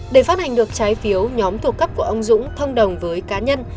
để phát hành được trái phiếu nhóm thuộc cấp của ông dũng thông đồng với cá nhân